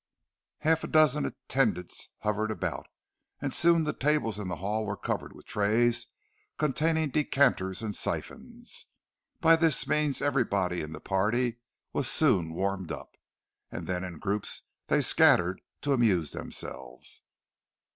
_" Half a dozen attendants hovered about, and soon the tables in the hall were covered with trays containing decanters and siphons. By this means everybody in the party was soon warmed up, and then in groups they scattered to amuse themselves.